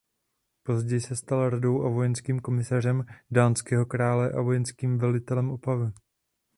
Později se stal radou a vojenským komisařem dánského krále a vojenským velitelem Opavy.